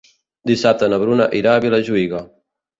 Dissabte na Bruna irà a Vilajuïga.